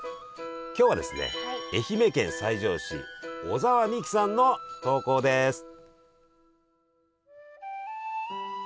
今日はですね愛媛県西条市小澤未樹さんの投稿です。